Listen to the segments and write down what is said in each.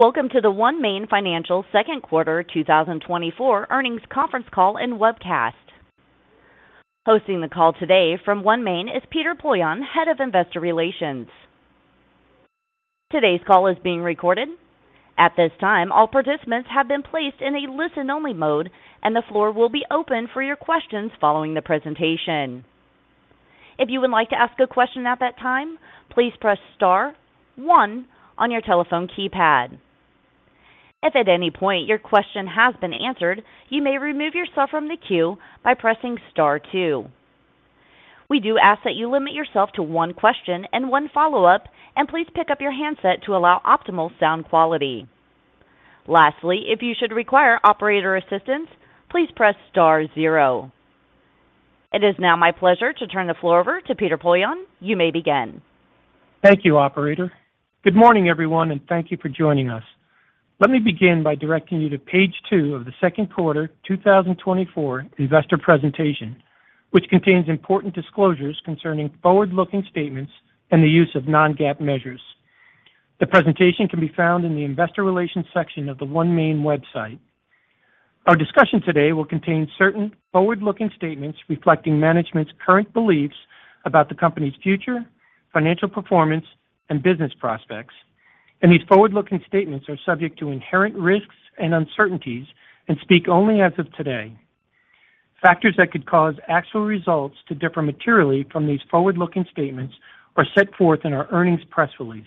Welcome to the OneMain Financial second quarter 2024 earnings conference call and webcast. Hosting the call today from OneMain is Peter Poillon, Head of Investor Relations. Today's call is being recorded. At this time, all participants have been placed in a listen-only mode, and the floor will be open for your questions following the presentation. If you would like to ask a question at that time, please press star one on your telephone keypad. If at any point your question has been answered, you may remove yourself from the queue by pressing star two. We do ask that you limit yourself to one question and one follow-up, and please pick up your handset to allow optimal sound quality. Lastly, if you should require operator assistance, please press star zero. It is now my pleasure to turn the floor over to Peter Poillon. You may begin. Thank you, Operator. Good morning, everyone, and thank you for joining us. Let me begin by directing you to page 2 of the second quarter 2024 investor presentation, which contains important disclosures concerning forward-looking statements and the use of non-GAAP measures. The presentation can be found in the investor relations section of the OneMain website. Our discussion today will contain certain forward-looking statements reflecting management's current beliefs about the company's future, financial performance, and business prospects. These forward-looking statements are subject to inherent risks and uncertainties and speak only as of today. Factors that could cause actual results to differ materially from these forward-looking statements are set forth in our earnings press release.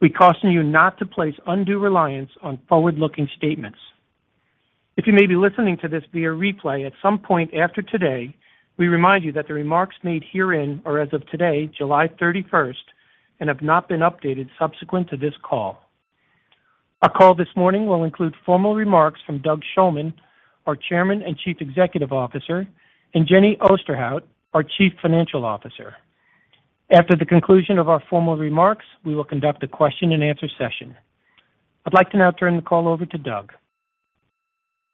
We caution you not to place undue reliance on forward-looking statements. If you may be listening to this via replay at some point after today, we remind you that the remarks made herein are as of today, July 31st, and have not been updated subsequent to this call. Our call this morning will include formal remarks from Doug Shulman, our Chairman and Chief Executive Officer, and Jenny Osterhout, our Chief Financial Officer. After the conclusion of our formal remarks, we will conduct a question-and-answer session. I'd like to now turn the call over to Doug.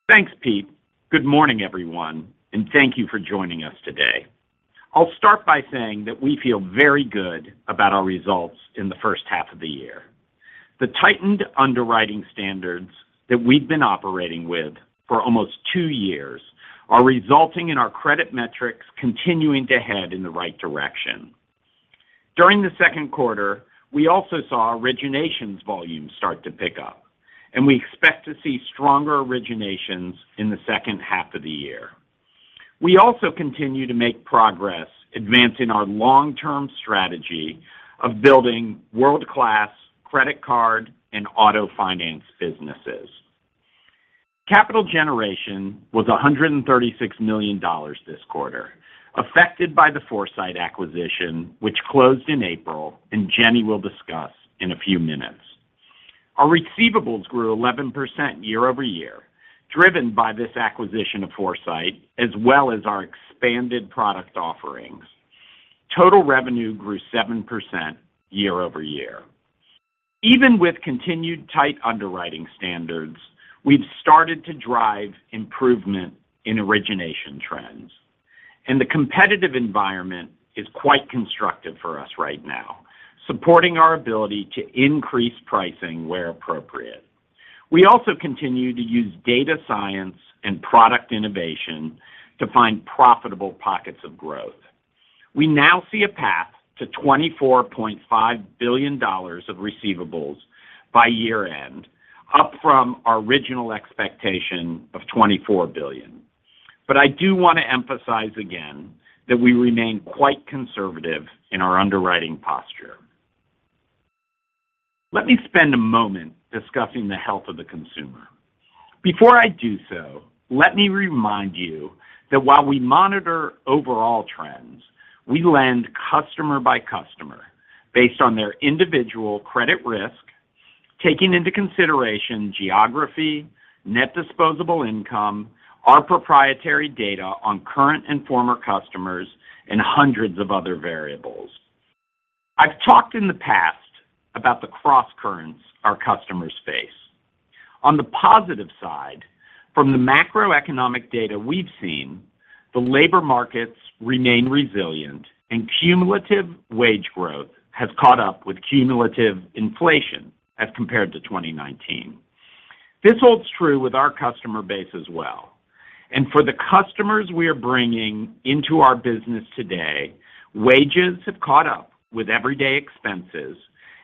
Thanks, Pete. Good morning, everyone, and thank you for joining us today. I'll start by saying that we feel very good about our results in the first half of the year. The tightened underwriting standards that we've been operating with for almost two years are resulting in our credit metrics continuing to head in the right direction. During the second quarter, we also saw originations volumes start to pick up, and we expect to see stronger originations in the second half of the year. We also continue to make progress, advancing our long-term strategy of building world-class credit card and auto finance businesses. Capital generation was $136 million this quarter, affected by the Foursight acquisition, which closed in April, and Jenny will discuss in a few minutes. Our receivables grew 11% year-over-year, driven by this acquisition of Foursight, as well as our expanded product offerings. Total revenue grew 7% year-over-year. Even with continued tight underwriting standards, we've started to drive improvement in origination trends, and the competitive environment is quite constructive for us right now, supporting our ability to increase pricing where appropriate. We also continue to use data science and product innovation to find profitable pockets of growth. We now see a path to $24.5 billion of receivables by year-end, up from our original expectation of $24 billion. But I do want to emphasize again that we remain quite conservative in our underwriting posture. Let me spend a moment discussing the health of the consumer. Before I do so, let me remind you that while we monitor overall trends, we lend customer by customer based on their individual credit risk, taking into consideration geography, net disposable income, our proprietary data on current and former customers, and hundreds of other variables. I've talked in the past about the cross-currents our customers face. On the positive side, from the macroeconomic data we've seen, the labor markets remain resilient, and cumulative wage growth has caught up with cumulative inflation as compared to 2019. This holds true with our customer base as well. For the customers we are bringing into our business today, wages have caught up with everyday expenses,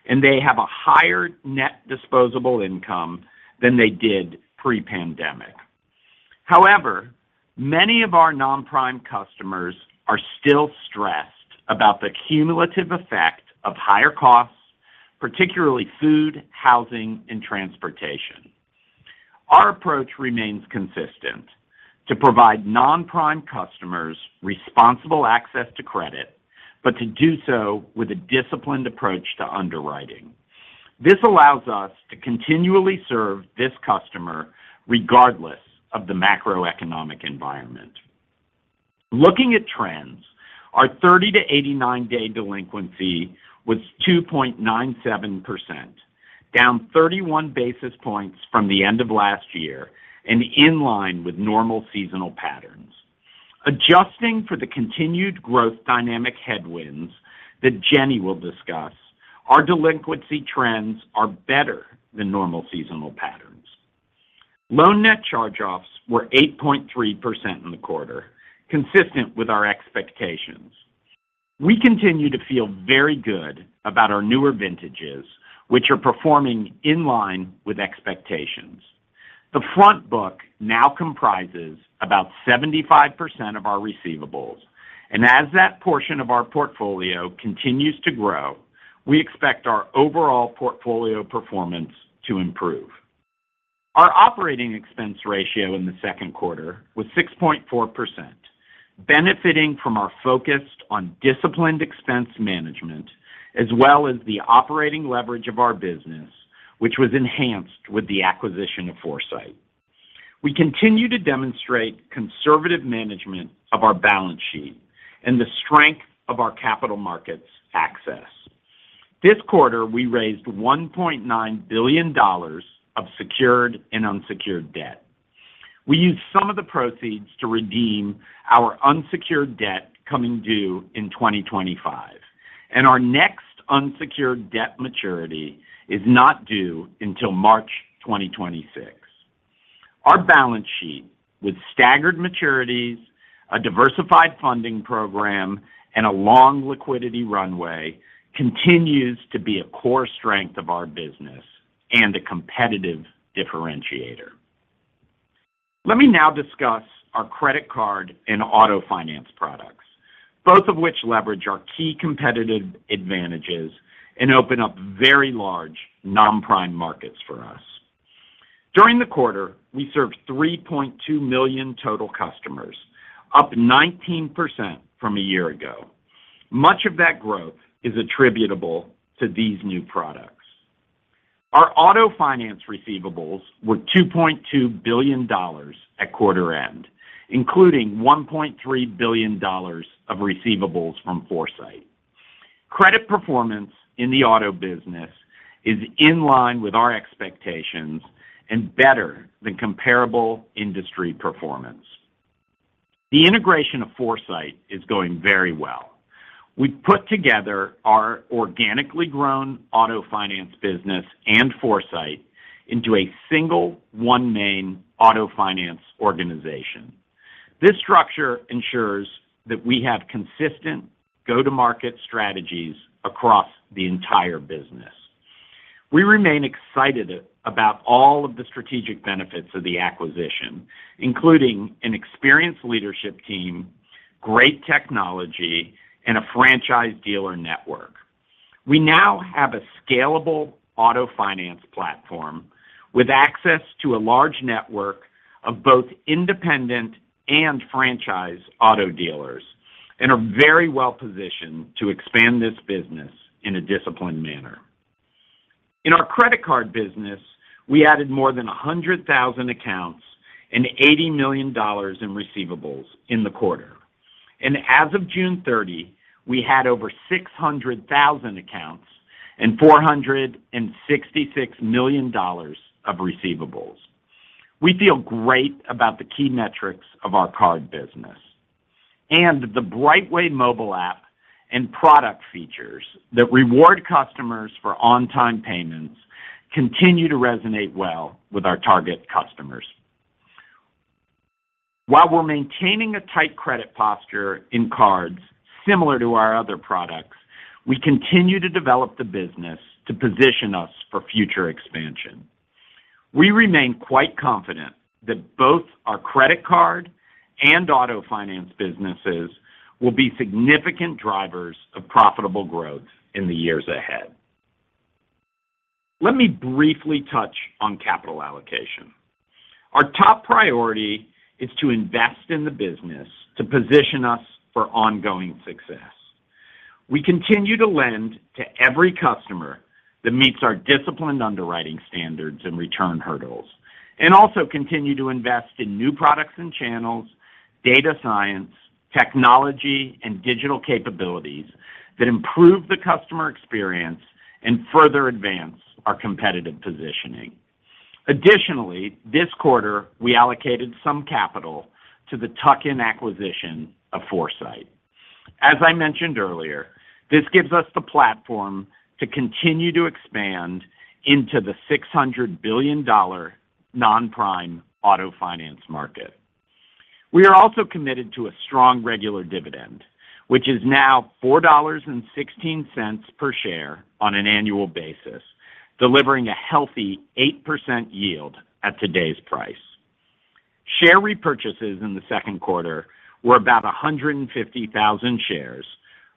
and they have a higher net disposable income than they did pre-pandemic. However, many of our non-prime customers are still stressed about the cumulative effect of higher costs, particularly food, housing, and transportation. Our approach remains consistent to provide non-prime customers responsible access to credit, but to do so with a disciplined approach to underwriting. This allows us to continually serve this customer regardless of the macroeconomic environment. Looking at trends, our 30- to 89-day delinquency was 2.97%, down 31 basis points from the end of last year and in line with normal seasonal patterns. Adjusting for the continued growth dynamic headwinds that Jenny will discuss, our delinquency trends are better than normal seasonal patterns. Loan net charge-offs were 8.3% in the quarter, consistent with our expectations. We continue to feel very good about our newer vintages, which are performing in line with expectations. The front Book now comprises about 75% of our receivables, and as that portion of our portfolio continues to grow, we expect our overall portfolio performance to improve. Our operating expense ratio in the second quarter was 6.4%, benefiting from our focus on disciplined expense management as well as the operating leverage of our business, which was enhanced with the acquisition of Foursight. We continue to demonstrate conservative management of our balance sheet and the strength of our capital markets access. This quarter, we raised $1.9 billion of secured and unsecured debt. We used some of the proceeds to redeem our unsecured debt coming due in 2025, and our next unsecured debt maturity is not due until March 2026. Our balance sheet, with staggered maturities, a diversified funding program, and a long liquidity runway, continues to be a core strength of our business and a competitive differentiator. Let me now discuss our credit card and auto finance products, both of which leverage our key competitive advantages and open up very large non-prime markets for us. During the quarter, we served 3.2 million total customers, up 19% from a year ago. Much of that growth is attributable to these new products. Our auto finance receivables were $2.2 billion at quarter end, including $1.3 billion of receivables from Foursight. Credit performance in the auto business is in line with our expectations and better than comparable industry performance. The integration of Foursight is going very well. We've put together our organically grown auto finance business and Foursight into a single OneMain Auto Finance organization. This structure ensures that we have consistent go-to-market strategies across the entire business. We remain excited about all of the strategic benefits of the acquisition, including an experienced leadership team, great technology, and a franchise dealer network. We now have a scalable auto finance platform with access to a large network of both independent and franchise auto dealers and are very well positioned to expand this business in a disciplined manner. In our credit card business, we added more than 100,000 accounts and $80 million in receivables in the quarter. As of June 30, we had over 600,000 accounts and $466 million of receivables. We feel great about the key metrics of our card business, and the Brightway mobile app and product features that reward customers for on-time payments continue to resonate well with our target customers. While we're maintaining a tight credit posture in cards similar to our other products, we continue to develop the business to position us for future expansion. We remain quite confident that both our credit card and auto finance businesses will be significant drivers of profitable growth in the years ahead. Let me briefly touch on capital allocation. Our top priority is to invest in the business to position us for ongoing success. We continue to lend to every customer that meets our disciplined underwriting standards and return hurdles, and also continue to invest in new products and channels, data science, technology, and digital capabilities that improve the customer experience and further advance our competitive positioning. Additionally, this quarter, we allocated some capital to the tuck-in acquisition of Foursight. As I mentioned earlier, this gives us the platform to continue to expand into the $600 billion non-prime auto finance market. We are also committed to a strong regular dividend, which is now $4.16 per share on an annual basis, delivering a healthy 8% yield at today's price. Share repurchases in the second quarter were about 150,000 shares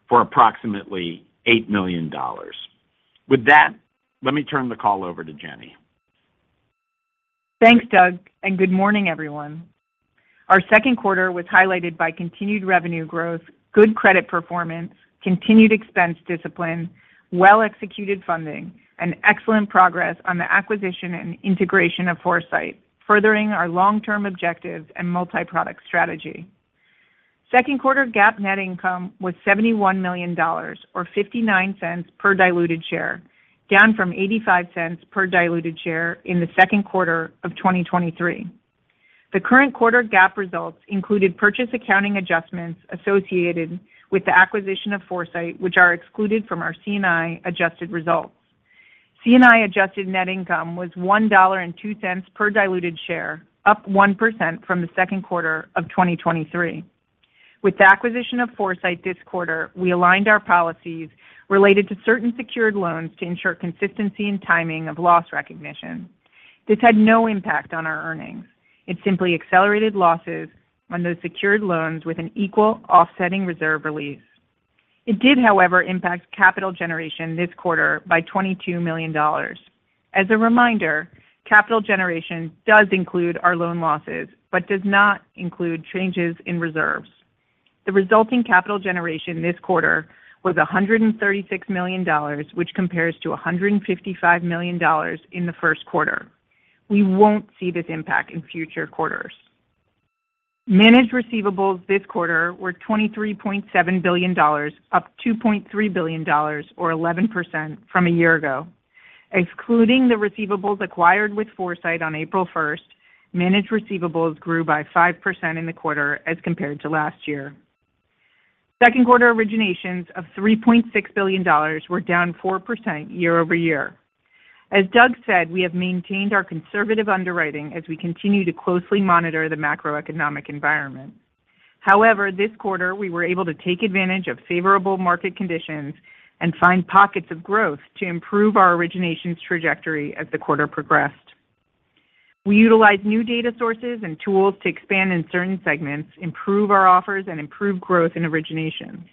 for approximately $8 million. With that, let me turn the call over to Jenny. Thanks, Doug, and good morning, everyone. Our second quarter was highlighted by continued revenue growth, good credit performance, continued expense discipline, well-executed funding, and excellent progress on the acquisition and integration of Foursight, furthering our long-term objectives and multi-product strategy. Second quarter GAAP net income was $71 million, or $0.59 per diluted share, down from $0.85 per diluted share in the second quarter of 2023. The current quarter GAAP results included purchase accounting adjustments associated with the acquisition of Foursight, which are excluded from our C&I adjusted results. C&I adjusted net income was $1.02 per diluted share, up 1% from the second quarter of 2023. With the acquisition of Foursight this quarter, we aligned our policies related to certain secured loans to ensure consistency in timing of loss recognition. This had no impact on our earnings. It simply accelerated losses on those secured loans with an equal offsetting reserve release. It did, however, impact capital generation this quarter by $22 million. As a reminder, capital generation does include our loan losses but does not include changes in reserves. The resulting capital generation this quarter was $136 million, which compares to $155 million in the first quarter. We won't see this impact in future quarters. Managed receivables this quarter were $23.7 billion, up $2.3 billion, or 11% from a year ago. Excluding the receivables acquired with Foursight on April 1, managed receivables grew by 5% in the quarter as compared to last year. Second quarter originations of $3.6 billion were down 4% year-over-year. As Doug said, we have maintained our conservative underwriting as we continue to closely monitor the macroeconomic environment. However, this quarter, we were able to take advantage of favorable market conditions and find pockets of growth to improve our originations trajectory as the quarter progressed. We utilized new data sources and tools to expand in certain segments, improve our offers, and improve growth in originations.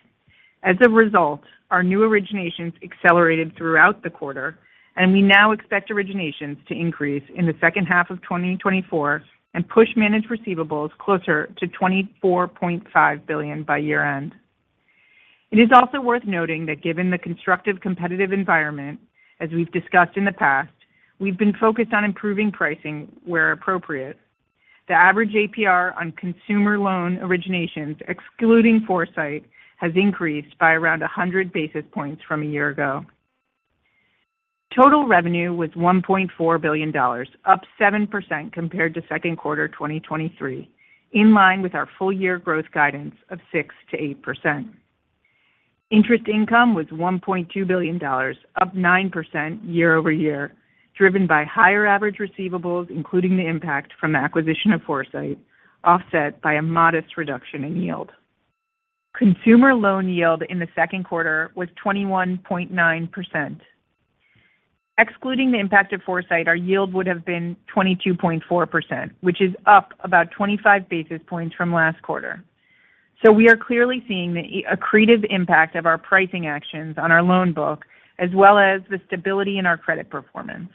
As a result, our new originations accelerated throughout the quarter, and we now expect originations to increase in the second half of 2024 and push managed receivables closer to $24.5 billion by year-end. It is also worth noting that given the constructive competitive environment, as we've discussed in the past, we've been focused on improving pricing where appropriate. The average APR on consumer loan originations, excluding Foursight, has increased by around 100 basis points from a year ago. Total revenue was $1.4 billion, up 7% compared to second quarter 2023, in line with our full-year growth guidance of 6%-8%. Interest income was $1.2 billion, up 9% year-over-year, driven by higher average receivables, including the impact from acquisition of Foursight, offset by a modest reduction in yield. Consumer loan yield in the second quarter was 21.9%. Excluding the impact of Foursight, our yield would have been 22.4%, which is up about 25 basis points from last quarter. So we are clearly seeing the accretive impact of our pricing actions on our loan book, as well as the stability in our credit performance.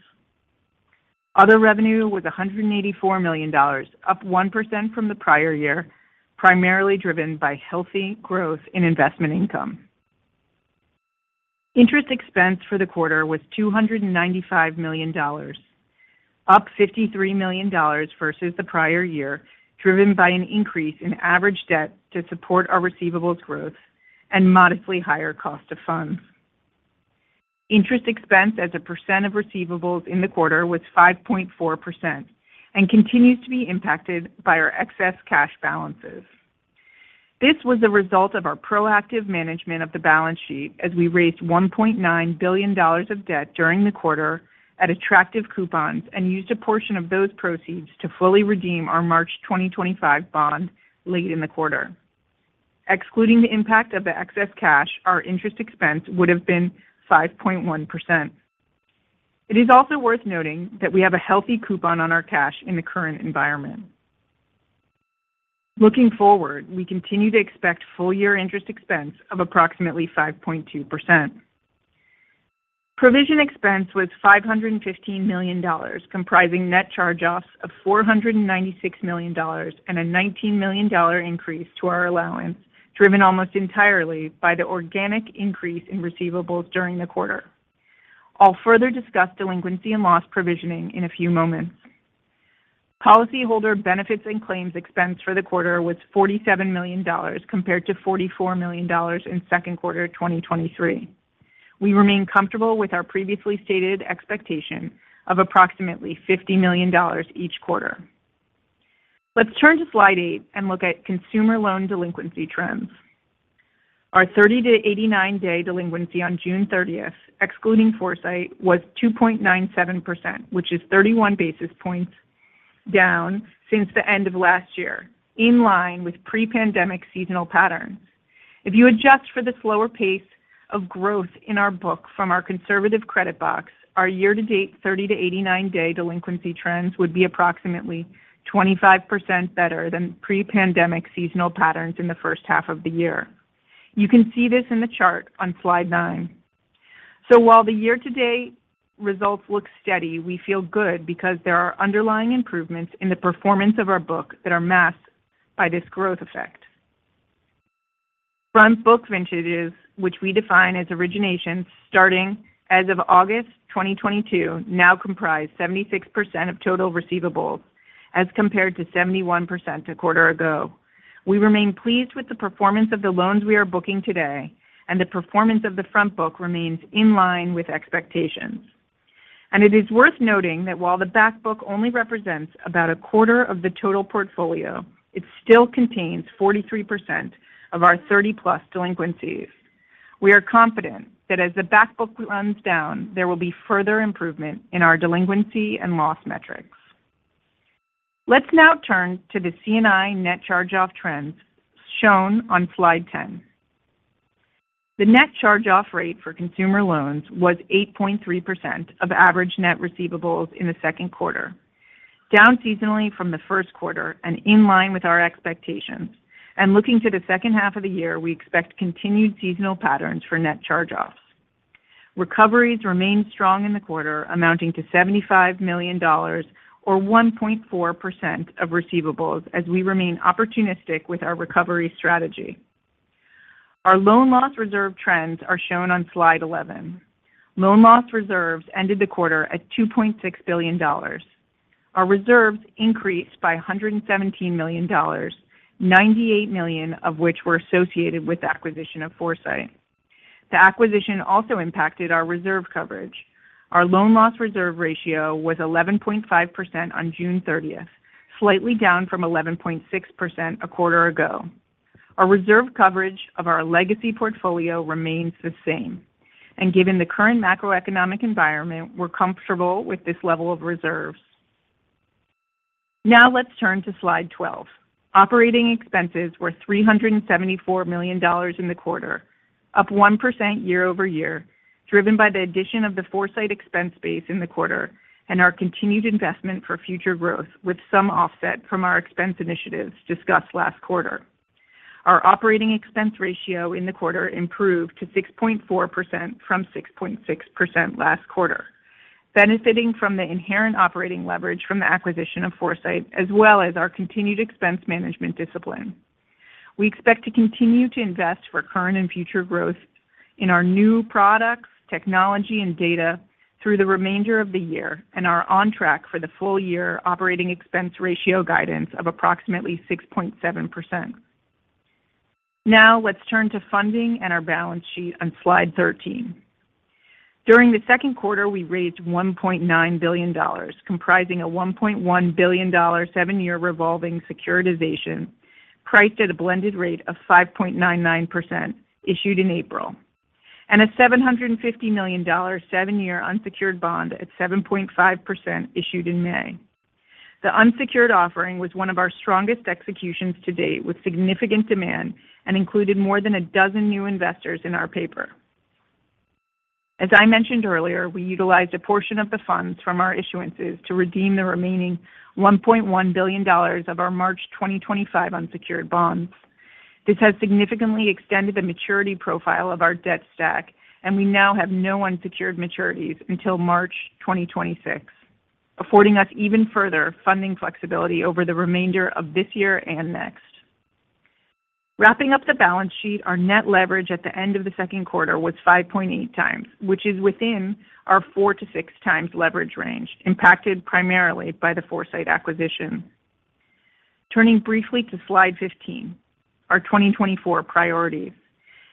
Other revenue was $184 million, up 1% from the prior year, primarily driven by healthy growth in investment income. Interest expense for the quarter was $295 million, up $53 million versus the prior year, driven by an increase in average debt to support our receivables growth and modestly higher cost of funds. Interest expense as a percent of receivables in the quarter was 5.4% and continues to be impacted by our excess cash balances. This was the result of our proactive management of the balance sheet as we raised $1.9 billion of debt during the quarter at attractive coupons and used a portion of those proceeds to fully redeem our March 2025 bond late in the quarter. Excluding the impact of the excess cash, our interest expense would have been 5.1%. It is also worth noting that we have a healthy coupon on our cash in the current environment. Looking forward, we continue to expect full-year interest expense of approximately 5.2%. Provision expense was $515 million, comprising net charge-offs of $496 million and a $19 million increase to our allowance, driven almost entirely by the organic increase in receivables during the quarter. I'll further discuss delinquency and loss provisioning in a few moments. Policyholder benefits and claims expense for the quarter was $47 million compared to $44 million in second quarter 2023. We remain comfortable with our previously stated expectation of approximately $50 million each quarter. Let's turn to slide 8 and look at consumer loan delinquency trends. Our 30- to 89-day delinquency on June 30, excluding Foursight, was 2.97%, which is 31 basis points down since the end of last year, in line with pre-pandemic seasonal patterns. If you adjust for the slower pace of growth in our book from our conservative credit box, our year-to-date 30- to 89-day delinquency trends would be approximately 25% better than pre-pandemic seasonal patterns in the first half of the year. You can see this in the chart on slide nine. While the year-to-date results look steady, we feel good because there are underlying improvements in the performance of our book that are masked by this growth effect. Front book vintages, which we define as originations starting as of August 2022, now comprise 76% of total receivables as compared to 71% a quarter ago. We remain pleased with the performance of the loans we are booking today, and the performance of the front book remains in line with expectations. It is worth noting that while the back book only represents about a quarter of the total portfolio, it still contains 43% of our 30-plus delinquencies. We are confident that as the back book runs down, there will be further improvement in our delinquency and loss metrics. Let's now turn to the C&I net charge-off trends shown on slide 10. The net charge-off rate for consumer loans was 8.3% of average net receivables in the second quarter, down seasonally from the first quarter and in line with our expectations. Looking to the second half of the year, we expect continued seasonal patterns for net charge-offs. Recoveries remain strong in the quarter, amounting to $75 million, or 1.4% of receivables, as we remain opportunistic with our recovery strategy. Our loan loss reserve trends are shown on slide 11. Loan loss reserves ended the quarter at $2.6 billion. Our reserves increased by $117 million, $98 million of which were associated with the acquisition of Foursight. The acquisition also impacted our reserve coverage. Our loan loss reserve ratio was 11.5% on June 30, slightly down from 11.6% a quarter ago. Our reserve coverage of our legacy portfolio remains the same. Given the current macroeconomic environment, we're comfortable with this level of reserves. Now let's turn to slide 12. Operating expenses were $374 million in the quarter, up 1% year over year, driven by the addition of the Foursight expense base in the quarter and our continued investment for future growth, with some offset from our expense initiatives discussed last quarter. Our operating expense ratio in the quarter improved to 6.4% from 6.6% last quarter, benefiting from the inherent operating leverage from the acquisition of Foursight, as well as our continued expense management discipline. We expect to continue to invest for current and future growth in our new products, technology, and data through the remainder of the year and are on track for the full-year operating expense ratio guidance of approximately 6.7%. Now let's turn to funding and our balance sheet on slide 13. During the second quarter, we raised $1.9 billion, comprising a $1.1 billion seven-year revolving securitization priced at a blended rate of 5.99% issued in April, and a $750 million seven-year unsecured bond at 7.5% issued in May. The unsecured offering was one of our strongest executions to date with significant demand and included more than a dozen new investors in our paper. As I mentioned earlier, we utilized a portion of the funds from our issuances to redeem the remaining $1.1 billion of our March 2025 unsecured bonds. This has significantly extended the maturity profile of our debt stack, and we now have no unsecured maturities until March 2026, affording us even further funding flexibility over the remainder of this year and next. Wrapping up the balance sheet, our net leverage at the end of the second quarter was 5.8x, which is within our 4x-6x leverage range, impacted primarily by the Foursight acquisition. Turning briefly to slide 15, our 2024 priorities.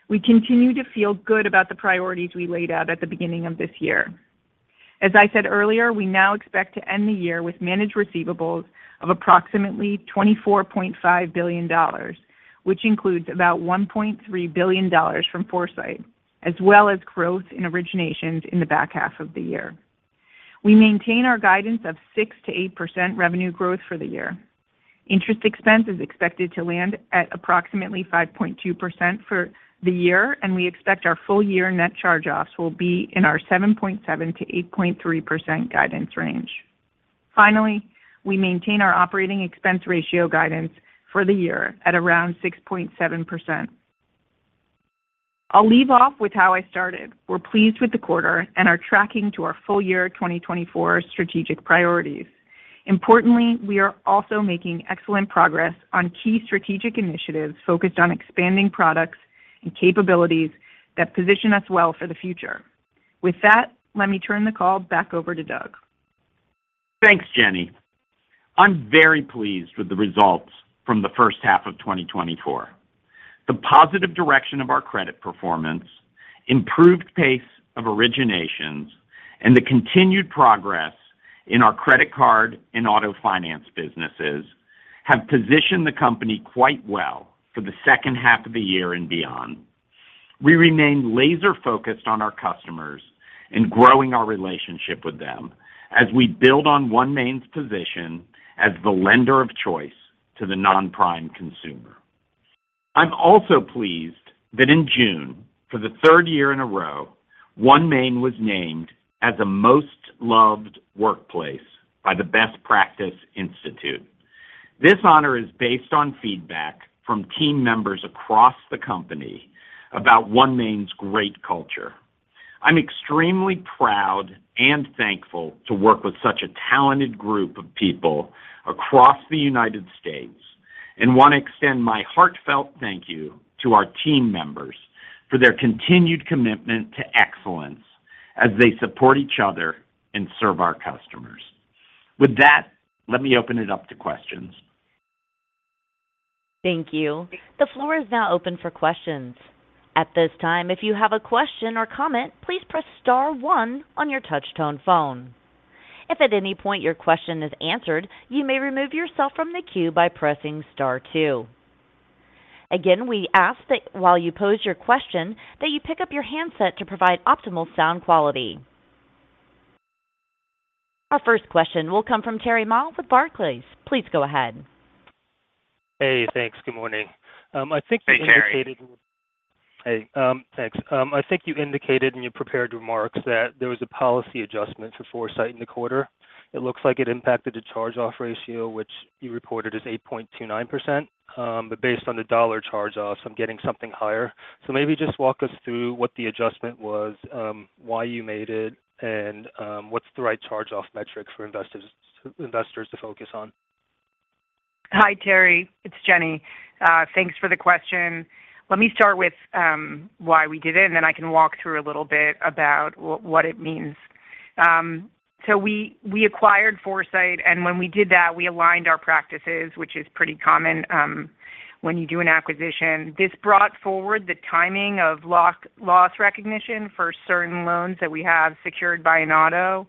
We continue to feel good about the priorities we laid out at the beginning of this year. As I said earlier, we now expect to end the year with managed receivables of approximately $24.5 billion, which includes about $1.3 billion from Foursight, as well as growth in originations in the back half of the year. We maintain our guidance of 6%-8% revenue growth for the year. Interest expense is expected to land at approximately 5.2% for the year, and we expect our full-year net charge-offs will be in our 7.7%-8.3% guidance range. Finally, we maintain our operating expense ratio guidance for the year at around 6.7%. I'll leave off with how I started. We're pleased with the quarter and are tracking to our full-year 2024 strategic priorities. Importantly, we are also making excellent progress on key strategic initiatives focused on expanding products and capabilities that position us well for the future. With that, let me turn the call back over to Doug. Thanks, Jenny. I'm very pleased with the results from the first half of 2024. The positive direction of our credit performance, improved pace of originations, and the continued progress in our credit card and auto finance businesses have positioned the company quite well for the second half of the year and beyond. We remain laser-focused on our customers and growing our relationship with them as we build on OneMain's position as the lender of choice to the non-prime consumer. I'm also pleased that in June, for the third year in a row, OneMain was named as a Most Loved Workplace by the Best Practice Institute. This honor is based on feedback from team members across the company about OneMain's great culture. I'm extremely proud and thankful to work with such a talented group of people across the United States, and want to extend my heartfelt thank you to our team members for their continued commitment to excellence as they support each other and serve our customers. With that, let me open it up to questions. Thank you. The floor is now open for questions. At this time, if you have a question or comment, please press star one on your touch-tone phone. If at any point your question is answered, you may remove yourself from the queue by pressing star two. Again, we ask that while you pose your question, that you pick up your handset to provide optimal sound quality. Our first question will come from Terry Ma with Barclays. Please go ahead. Hey, thanks. Good morning. I think you indicated. Hey, Terry. Hey. Thanks. I think you indicated and you prepared remarks that there was a policy adjustment for Foursight in the quarter. It looks like it impacted the charge-off ratio, which you reported as 8.29%. But based on the dollar charge-off, I'm getting something higher. So maybe just walk us through what the adjustment was, why you made it, and what's the right charge-off metric for investors to focus on. Hi, Terry. It's Jenny. Thanks for the question. Let me start with why we did it, and then I can walk through a little bit about what it means. So we acquired Foursight, and when we did that, we aligned our practices, which is pretty common when you do an acquisition. This brought forward the timing of loss recognition for certain loans that we have secured by an auto.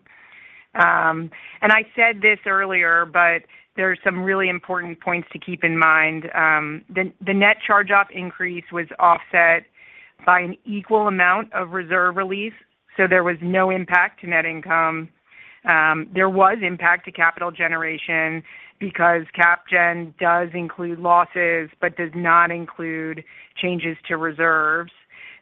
And I said this earlier, but there are some really important points to keep in mind. The net charge-off increase was offset by an equal amount of reserve release, so there was no impact to net income. There was impact to capital generation because CapGen does include losses but does not include changes to reserves.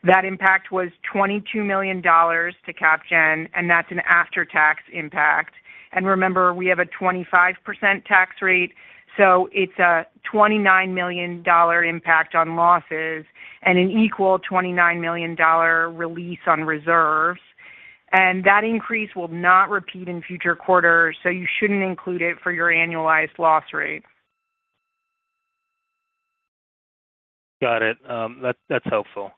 That impact was $22 million to CapGen, and that's an after-tax impact. And remember, we have a 25% tax rate, so it's a $29 million impact on losses and an equal $29 million release on reserves. And that increase will not repeat in future quarters, so you shouldn't include it for your annualized loss rate. Got it. That's helpful.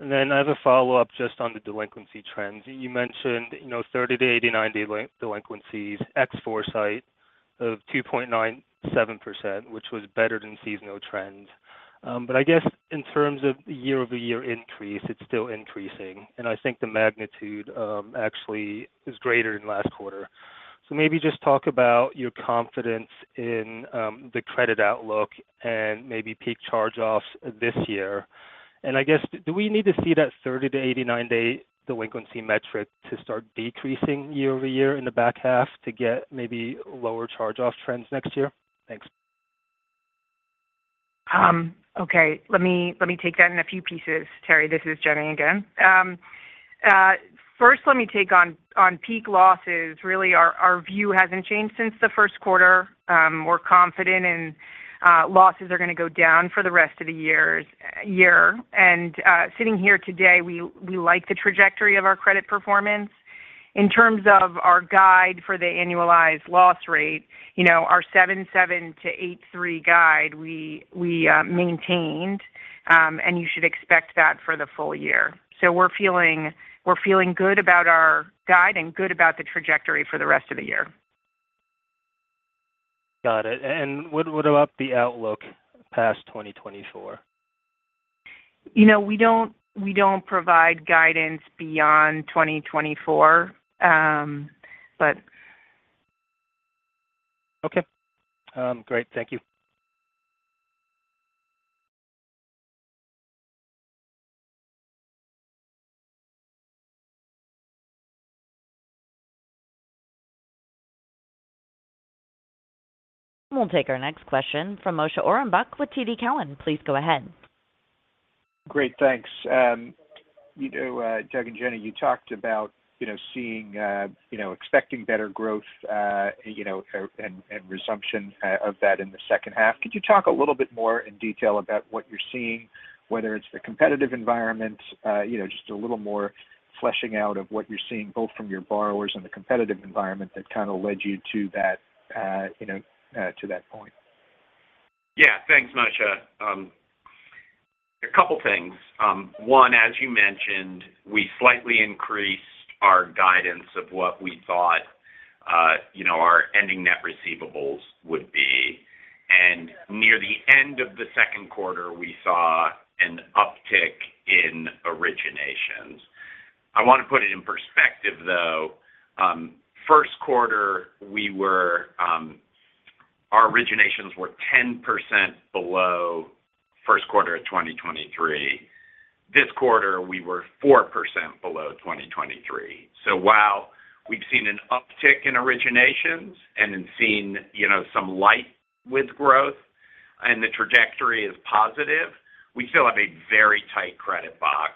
And then I have a follow-up just on the delinquency trends. You mentioned 30-89-day delinquencies ex-Foursight of 2.97%, which was better than seasonal trends. But I guess in terms of year-over-year increase, it's still increasing, and I think the magnitude actually is greater than last quarter. So maybe just talk about your confidence in the credit outlook and maybe peak charge-offs this year. And I guess, do we need to see that 30-89-day delinquency metric to start decreasing year-over-year in the back half to get maybe lower charge-off trends next year? Thanks. Okay. Let me take that in a few pieces. Terry, this is Jenny again. First, let me take on peak losses. Really, our view hasn't changed since the first quarter. We're confident in losses are going to go down for the rest of the year. Sitting here today, we like the trajectory of our credit performance. In terms of our guide for the annualized loss rate, our 7.7-8.3 guide we maintained, and you should expect that for the full year. We're feeling good about our guide and good about the trajectory for the rest of the year. Got it. And what about the outlook past 2024? We don't provide guidance beyond 2024, but. Okay. Great. Thank you. We'll take our next question from Moshe Orenbuch with TD Cowen. Please go ahead. Great. Thanks. Doug and Jenny, you talked about seeing expecting better growth and resumption of that in the second half. Could you talk a little bit more in detail about what you're seeing, whether it's the competitive environment, just a little more fleshing out of what you're seeing both from your borrowers and the competitive environment that kind of led you to that point? Yeah. Thanks, Moshe. A couple of things. One, as you mentioned, we slightly increased our guidance of what we thought our ending net receivables would be. Near the end of the second quarter, we saw an uptick in originations. I want to put it in perspective, though. First quarter, our originations were 10% below first quarter of 2023. This quarter, we were 4% below 2023. While we've seen an uptick in originations and have seen some light with growth and the trajectory is positive, we still have a very tight credit box.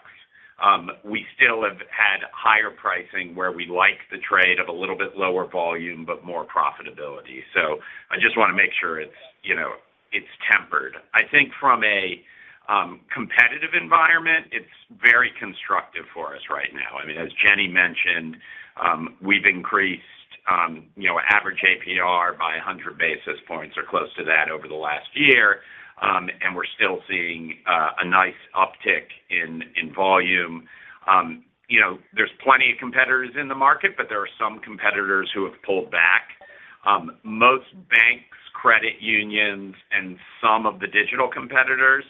We still have had higher pricing where we like the trade of a little bit lower volume but more profitability. So I just want to make sure it's tempered. I think from a competitive environment, it's very constructive for us right now. I mean, as Jenny mentioned, we've increased average APR by 100 basis points or close to that over the last year, and we're still seeing a nice uptick in volume. There's plenty of competitors in the market, but there are some competitors who have pulled back. Most banks, credit unions, and some of the digital competitors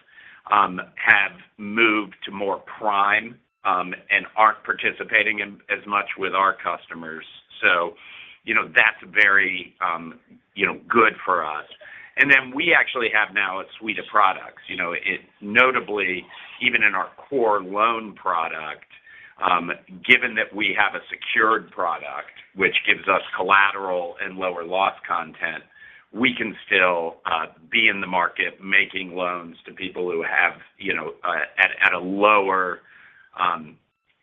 have moved to more prime and aren't participating as much with our customers. So that's very good for us. And then we actually have now a suite of products. Notably, even in our core loan product, given that we have a secured product, which gives us collateral and lower loss content, we can still be in the market making loans to people who have at a lower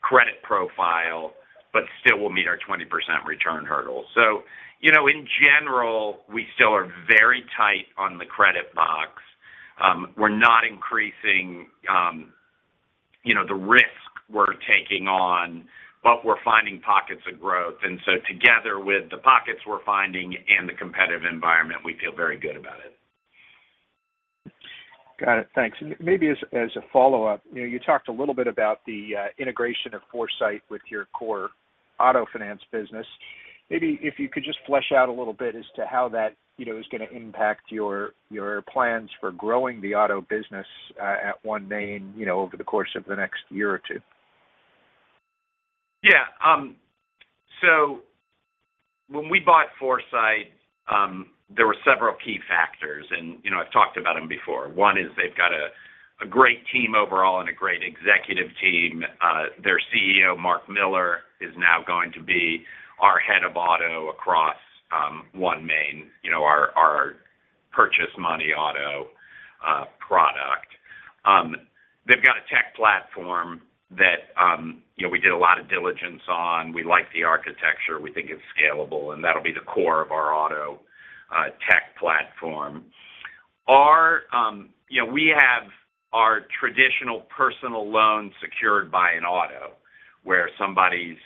credit profile but still will meet our 20% return hurdle. So in general, we still are very tight on the credit box. We're not increasing the risk we're taking on, but we're finding pockets of growth. And so together with the pockets we're finding and the competitive environment, we feel very good about it. Got it. Thanks. Maybe as a follow-up, you talked a little bit about the integration of Foursight with your core auto finance business. Maybe if you could just flesh out a little bit as to how that is going to impact your plans for growing the auto business at OneMain over the course of the next year or two. Yeah. So when we bought Foursight, there were several key factors, and I've talked about them before. One is they've got a great team overall and a great executive team. Their CEO, Mark Miller, is now going to be our head of auto across OneMain, our purchase money auto product. They've got a tech platform that we did a lot of diligence on. We like the architecture. We think it's scalable, and that'll be the core of our auto tech platform. We have our traditional personal loan secured by an auto where somebody's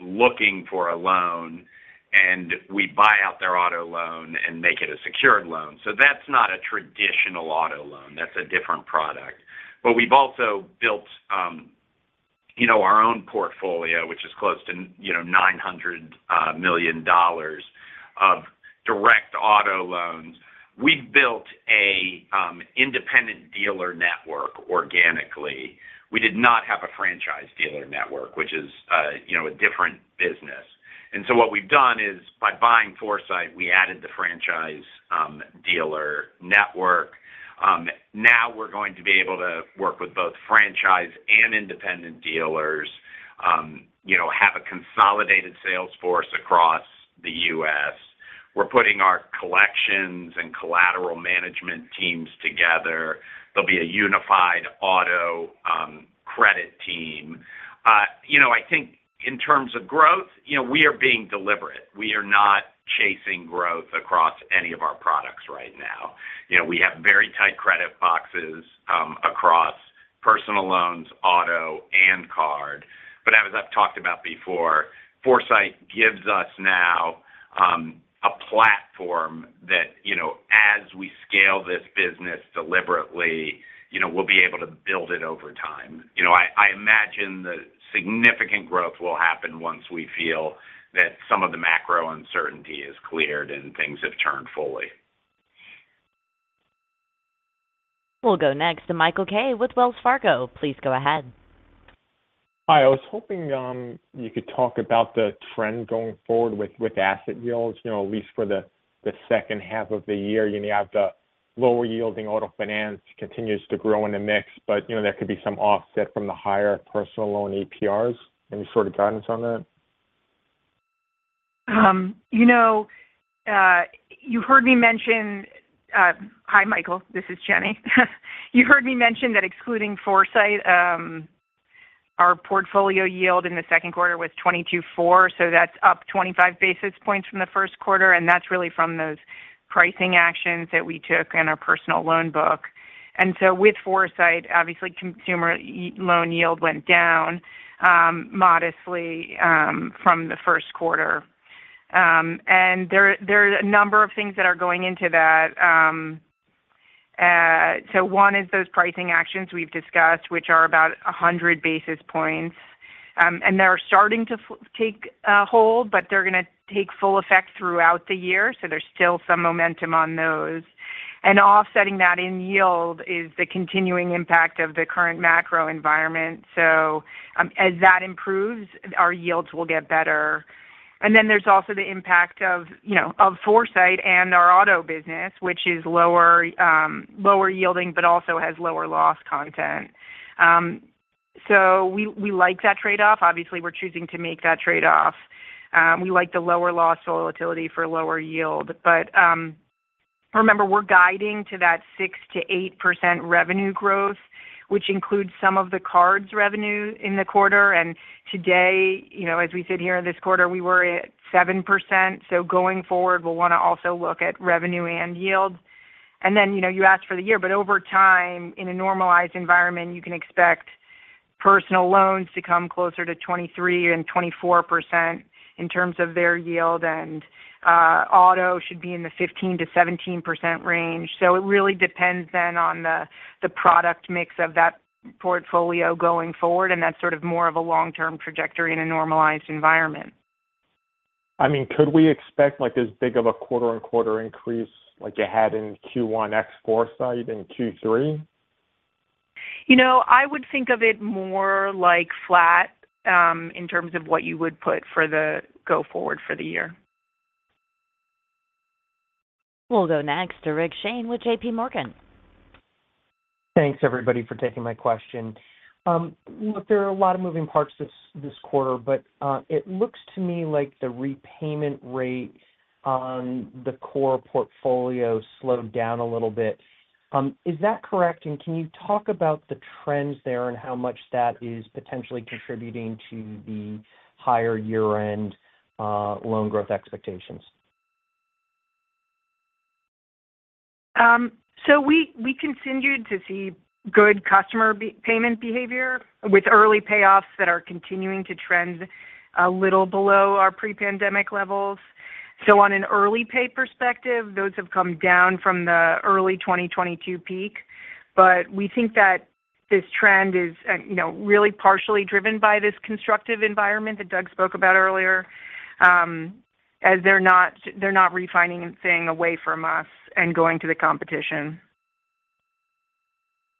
looking for a loan, and we buy out their auto loan and make it a secured loan. So that's not a traditional auto loan. That's a different product. But we've also built our own portfolio, which is close to $900 million of direct auto loans. We've built an independent dealer network organically. We did not have a franchise dealer network, which is a different business. And so what we've done is by buying Foursight, we added the franchise dealer network. Now we're going to be able to work with both franchise and independent dealers, have a consolidated sales force across the U.S. We're putting our collections and collateral management teams together. There'll be a unified auto credit team. I think in terms of growth, we are being deliberate. We are not chasing growth across any of our products right now. We have very tight credit boxes across personal loans, auto, and card. But as I've talked about before, Foursight gives us now a platform that as we scale this business deliberately, we'll be able to build it over time. I imagine the significant growth will happen once we feel that some of the macro uncertainty is cleared and things have turned fully. We'll go next to Michael Kaye with Wells Fargo. Please go ahead. Hi. I was hoping you could talk about the trend going forward with asset yields, at least for the second half of the year. You have the lower-yielding auto finance continues to grow in the mix, but there could be some offset from the higher personal loan APRs. Any sort of guidance on that? You heard me mention hi, Michael. This is Jenny. You heard me mention that excluding Foursight, our portfolio yield in the second quarter was 22.4, so that's up 25 basis points from the first quarter. And that's really from those pricing actions that we took in our personal loan book. And so with Foursight, obviously, consumer loan yield went down modestly from the first quarter. And there are a number of things that are going into that. So one is those pricing actions we've discussed, which are about 100 basis points. And they're starting to take hold, but they're going to take full effect throughout the year. So there's still some momentum on those. And offsetting that in yield is the continuing impact of the current macro environment. So as that improves, our yields will get better. And then there's also the impact of Foursight and our auto business, which is lower-yielding but also has lower loss content. So we like that trade-off. Obviously, we're choosing to make that trade-off. We like the lower loss volatility for lower yield. But remember, we're guiding to that 6%-8% revenue growth, which includes some of the cards' revenue in the quarter. And today, as we sit here in this quarter, we were at 7%. So going forward, we'll want to also look at revenue and yield. And then you asked for the year, but over time, in a normalized environment, you can expect personal loans to come closer to 23% and 24% in terms of their yield. And auto should be in the 15%-17% range. So it really depends then on the product mix of that portfolio going forward, and that's sort of more of a long-term trajectory in a normalized environment. I mean, could we expect as big of a quarter-on-quarter increase like you had in Q1 ex-Foursight in Q3? I would think of it more like flat in terms of what you would put for the go forward for the year. We'll go next to Rick Shane with JP Morgan. Thanks, everybody, for taking my question. There are a lot of moving parts this quarter, but it looks to me like the repayment rate on the core portfolio slowed down a little bit. Is that correct? And can you talk about the trends there and how much that is potentially contributing to the higher year-end loan growth expectations? So we continue to see good customer payment behavior with early payoffs that are continuing to trend a little below our pre-pandemic levels. So on an early pay perspective, those have come down from the early 2022 peak. But we think that this trend is really partially driven by this constructive environment that Doug spoke about earlier, as they're not refinancing and straying away from us and going to the competition.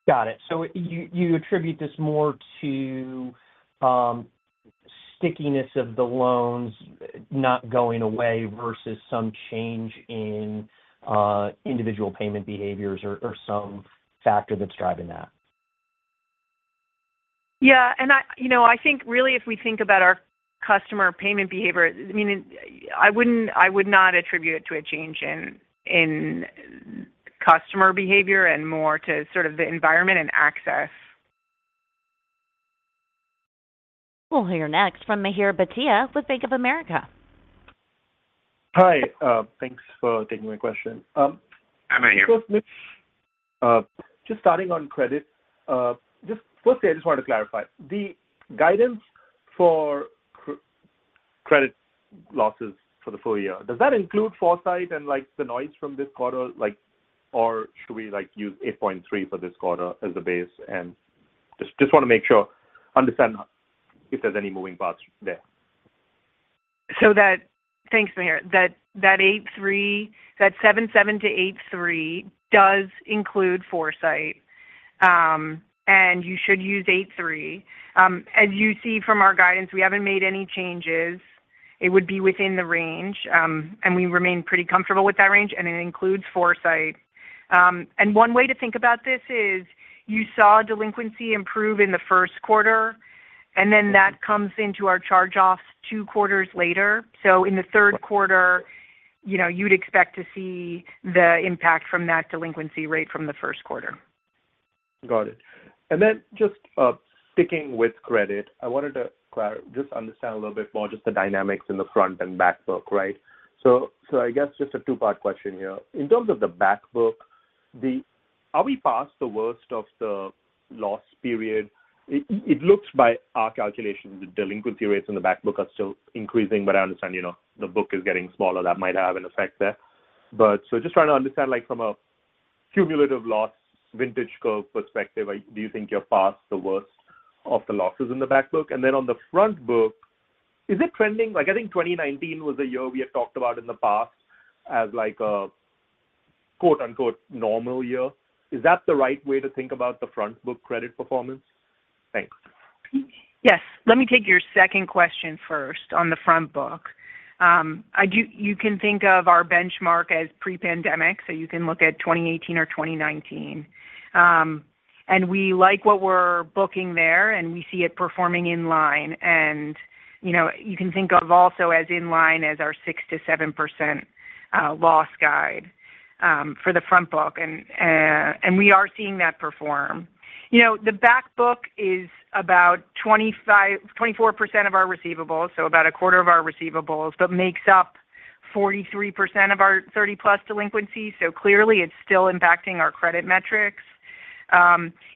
Got it. So you attribute this more to stickiness of the loans not going away versus some change in individual payment behaviors or some factor that's driving that? Yeah. And I think really, if we think about our customer payment behavior, I mean, I would not attribute it to a change in customer behavior and more to sort of the environment and access. We'll hear next from Mihir Bhatia with Bank of America. Hi. Thanks for taking my question. Hi, Mihir. Just starting on credit, just firstly, I just wanted to clarify. The guidance for credit losses for the full year, does that include Foursight and the noise from this quarter, or should we use 8.3 for this quarter as the base? And just want to understand if there's any moving parts there. So thanks, Mihir. That 77-83 does include Foursight, and you should use 83. As you see from our guidance, we haven't made any changes. It would be within the range, and we remain pretty comfortable with that range, and it includes Foursight. And one way to think about this is you saw delinquency improve in the first quarter, and then that comes into our charge-offs two quarters later. So in the third quarter, you'd expect to see the impact from that delinquency rate from the first quarter. Got it. And then just sticking with credit, I wanted to just understand a little bit more just the dynamics in the front and back book, right? So I guess just a two-part question here. In terms of the back book, are we past the worst of the loss period? It looks by our calculations that delinquency rates in the back book are still increasing, but I understand the book is getting smaller. That might have an effect there. But so just trying to understand from a cumulative loss vintage curve perspective, do you think you're past the worst of the losses in the back book? And then on the front book, is it trending? I think 2019 was a year we had talked about in the past as a "normal year." Is that the right way to think about the front book credit performance? Thanks. Yes. Let me take your second question first on the front book. You can think of our benchmark as pre-pandemic, so you can look at 2018 or 2019. We like what we're booking there, and we see it performing in line. You can think of also as in line as our 6%-7% loss guide for the front book, and we are seeing that perform. The back book is about 24% of our receivables, so about a quarter of our receivables, but makes up 43% of our 30+ delinquencies. Clearly, it's still impacting our credit metrics.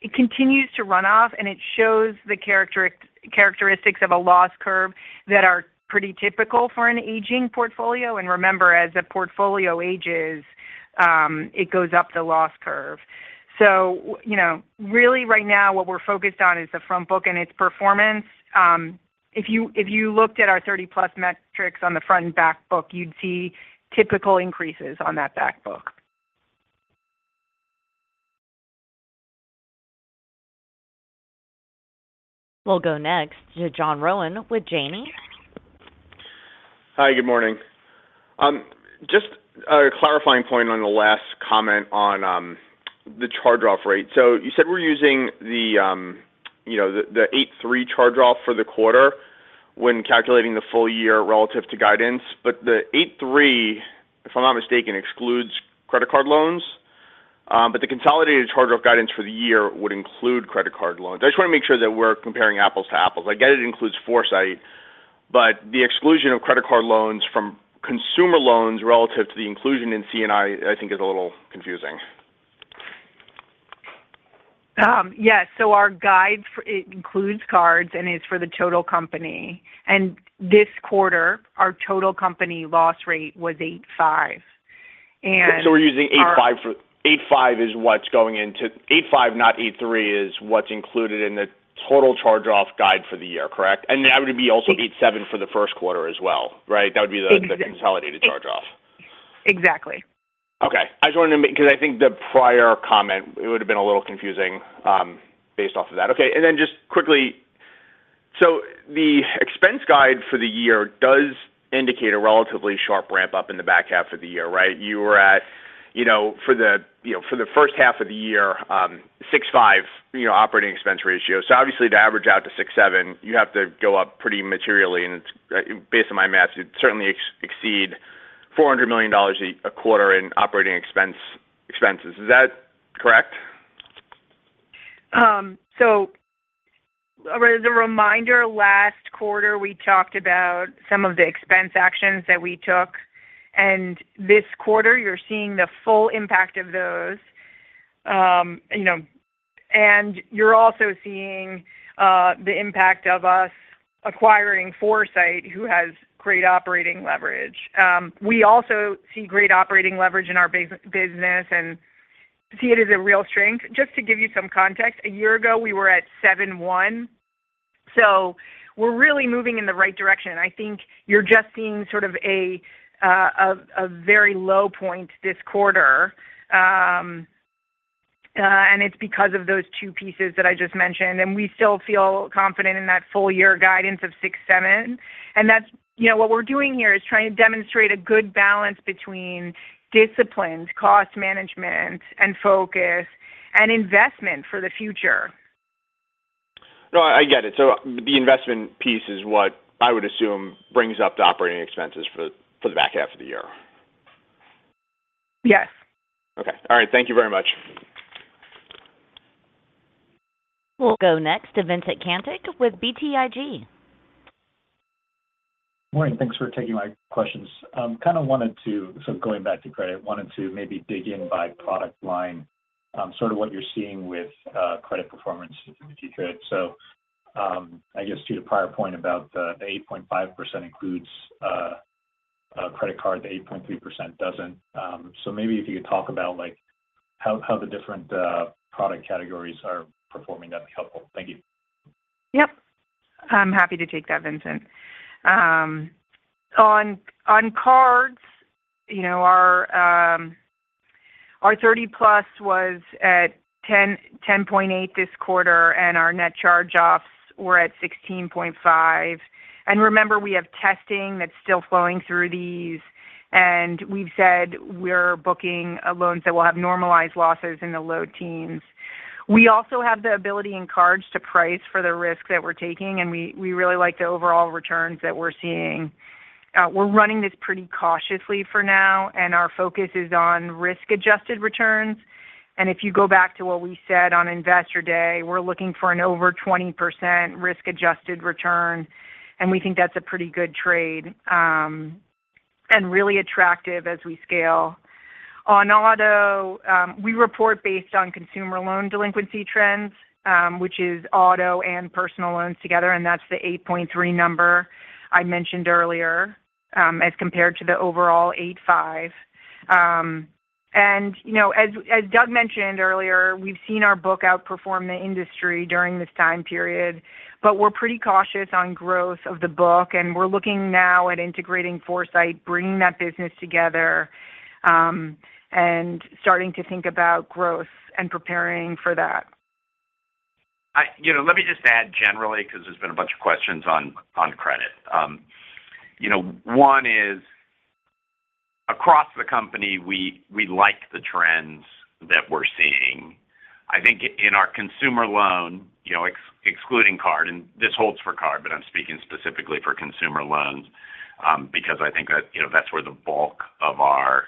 It continues to run off, and it shows the characteristics of a loss curve that are pretty typical for an aging portfolio. Remember, as a portfolio ages, it goes up the loss curve. Really, right now, what we're focused on is the front book and its performance. If you looked at our 30-plus metrics on the front and back book, you'd see typical increases on that back book. We'll go next to John Rowan with Janney. Hi. Good morning. Just a clarifying point on the last comment on the charge-off rate. So you said we're using the 8.3 charge-off for the quarter when calculating the full year relative to guidance. But the 8.3, if I'm not mistaken, excludes credit card loans. But the consolidated charge-off guidance for the year would include credit card loans. I just want to make sure that we're comparing apples to apples. I get it includes Foursight, but the exclusion of credit card loans from consumer loans relative to the inclusion in C&I, I think, is a little confusing. Yes. So our guide, it includes cards and is for the total company. And this quarter, our total company loss rate was 8.5. And so we're using 8.5, is what's going into 8.5, not 8.3, is what's included in the total charge-off guide for the year, correct? And that would be also 8.7 for the first quarter as well, right? That would be the consolidated charge-off. Exactly. Okay. I just wanted to because I think the prior comment, it would have been a little confusing based off of that. Okay. And then just quickly, so the expense guide for the year does indicate a relatively sharp ramp up in the back half of the year, right? You were at, for the first half of the year, 6.5 operating expense ratio. So obviously, to average out to 6.7, you have to go up pretty materially. And based on my math, you'd certainly exceed $400 million a quarter in operating expenses. Is that correct? So as a reminder, last quarter, we talked about some of the expense actions that we took. And this quarter, you're seeing the full impact of those. And you're also seeing the impact of us acquiring Foursight, who has great operating leverage. We also see great operating leverage in our business and see it as a real strength. Just to give you some context, a year ago, we were at 7.1. So we're really moving in the right direction. I think you're just seeing sort of a very low point this quarter. And it's because of those two pieces that I just mentioned. And we still feel confident in that full year guidance of 6.7. And what we're doing here is trying to demonstrate a good balance between discipline, cost management, and focus, and investment for the future. No, I get it. So the investment piece is what I would assume brings up the operating expenses for the back half of the year. Yes. Okay. All right. Thank you very much. We'll go next to Vincent Caintic with BTIG. Morning. Thanks for taking my questions. Kind of wanted to, so going back to credit, wanted to maybe dig in by product line, sort of what you're seeing with credit performance in the future. So I guess to your prior point about the 8.5% includes credit card, the 8.3% doesn't. So maybe if you could talk about how the different product categories are performing, that'd be helpful. Thank you. Yep. I'm happy to take that, Vincent. On cards, our 30+ was at 10.8 this quarter, and our net charge-offs were at 16.5. And remember, we have testing that's still flowing through these. We've said we're booking loans that will have normalized losses in the low teens. We also have the ability in cards to price for the risk that we're taking, and we really like the overall returns that we're seeing. We're running this pretty cautiously for now, and our focus is on risk-adjusted returns. And if you go back to what we said on investor day, we're looking for an over 20% risk-adjusted return, and we think that's a pretty good trade and really attractive as we scale. On auto, we report based on consumer loan delinquency trends, which is auto and personal loans together, and that's the 8.3 number I mentioned earlier as compared to the overall 8.5. And as Doug mentioned earlier, we've seen our book outperform the industry during this time period, but we're pretty cautious on growth of the book. We're looking now at integrating Foursight, bringing that business together, and starting to think about growth and preparing for that. Let me just add generally because there's been a bunch of questions on credit. One is, across the company, we like the trends that we're seeing. I think in our consumer loan, excluding card (and this holds for card, but I'm speaking specifically for consumer loans) because I think that's where the bulk of our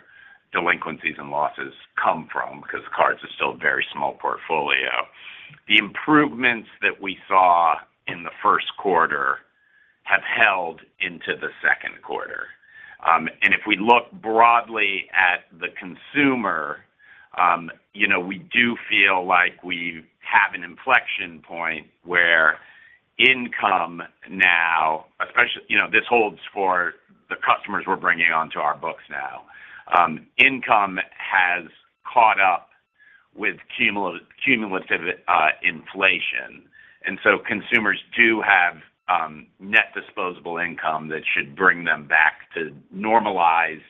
delinquencies and losses come from because cards are still a very small portfolio. The improvements that we saw in the first quarter have held into the second quarter. If we look broadly at the consumer, we do feel like we have an inflection point where income now (this holds for the customers we're bringing onto our books now) income has caught up with cumulative inflation. So consumers do have net disposable income that should bring them back to normalized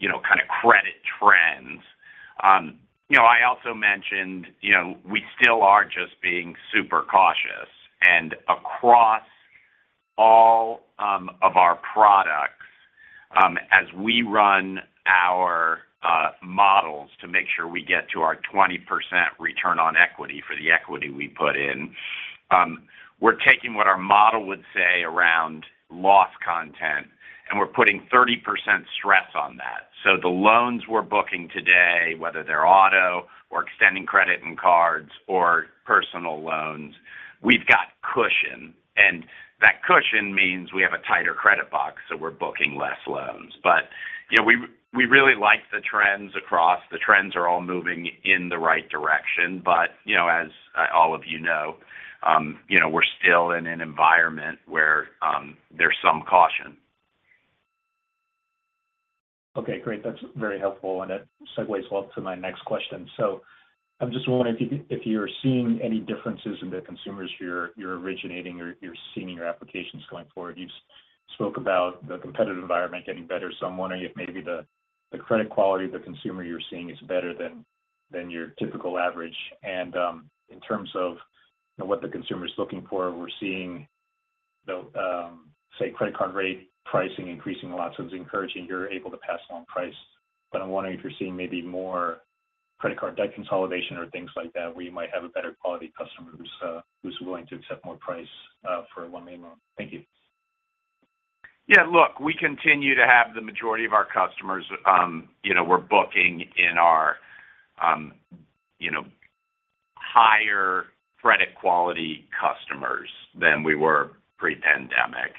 kind of credit trends. I also mentioned we still are just being super cautious. Across all of our products, as we run our models to make sure we get to our 20% return on equity for the equity we put in, we're taking what our model would say around loss content, and we're putting 30% stress on that. So the loans we're booking today, whether they're auto or extending credit and cards or personal loans, we've got cushion. That cushion means we have a tighter credit box, so we're booking less loans. But we really like the trends across. The trends are all moving in the right direction. But as all of you know, we're still in an environment where there's some caution. Okay. Great. That's very helpful, and it segues well to my next question. So I'm just wondering if you're seeing any differences in the consumers you're originating or you're seeing in your applications going forward. You spoke about the competitive environment getting better. So I'm wondering if maybe the credit quality of the consumer you're seeing is better than your typical average. And in terms of what the consumer's looking for, we're seeing, say, credit card rate pricing increasing a lot. So it's encouraging you're able to pass along price. But I'm wondering if you're seeing maybe more credit card debt consolidation or things like that where you might have a better quality customer who's willing to accept more price for personal loan. Thank you. Yeah. Look, we continue to have the majority of our customers we're booking in our higher credit quality customers than we were pre-pandemic.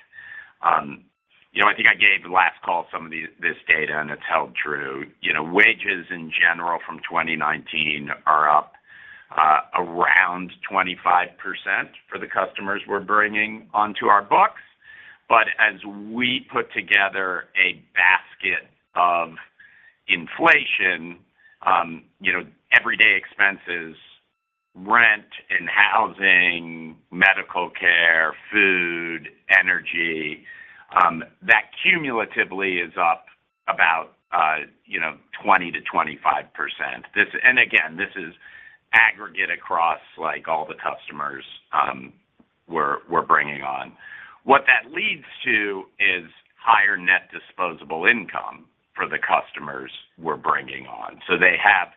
I think I gave the last call some of this data, and it's held true. Wages in general from 2019 are up around 25% for the customers we're bringing onto our books. But as we put together a basket of inflation, everyday expenses, rent and housing, medical care, food, energy, that cumulatively is up about 20%-25%. And again, this is aggregate across all the customers we're bringing on. What that leads to is higher net disposable income for the customers we're bringing on. So they have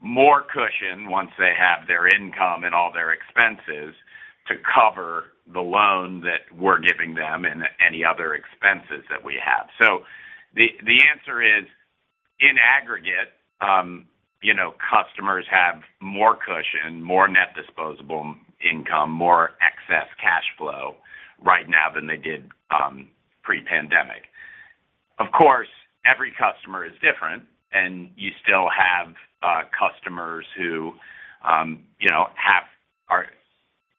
more cushion once they have their income and all their expenses to cover the loan that we're giving them and any other expenses that we have. So the answer is, in aggregate, customers have more cushion, more net disposable income, more excess cash flow right now than they did pre-pandemic. Of course, every customer is different, and you still have customers who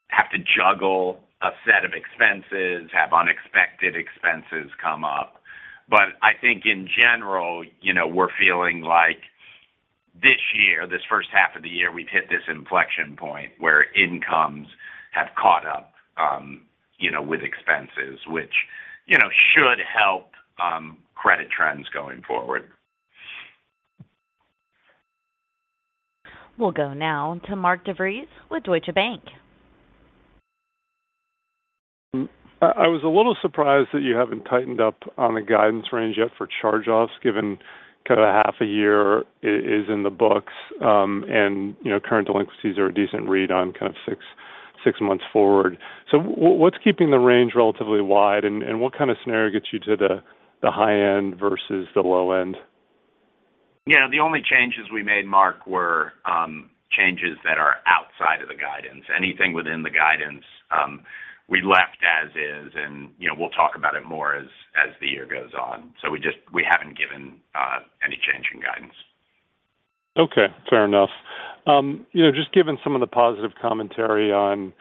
have to juggle a set of expenses, have unexpected expenses come up. But I think, in general, we're feeling like this year, this first half of the year, we've hit this inflection point where incomes have caught up with expenses, which should help credit trends going forward. We'll go now to Mark DeVries with Deutsche Bank. I was a little surprised that you haven't tightened up on the guidance range yet for charge-offs, given kind of a half a year is in the books and current delinquencies are a decent read on kind of six months forward. So what's keeping the range relatively wide, and what kind of scenario gets you to the high end versus the low end? Yeah. The only changes we made, Mark, were changes that are outside of the guidance. Anything within the guidance, we left as is, and we'll talk about it more as the year goes on. So we haven't given any change in guidance. Okay. Fair enough. Just given some of the positive commentary on